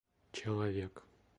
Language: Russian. человек